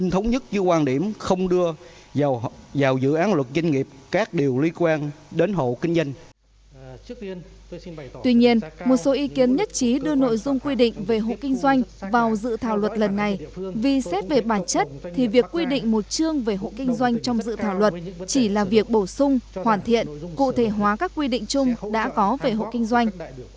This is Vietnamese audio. tuy nhiên một số ý kiến nhất trí đưa nội dung quy định về hộ kinh doanh vào dự thảo luật lần này vì xét về bản chất thì việc quy định một chương về hộ kinh doanh trong dự thảo luật chỉ là việc bổ sung hoàn thiện cụ thể hóa các quy định chung đã có về hộ kinh doanh